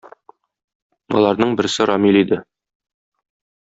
Аларның берсе Рамил иде.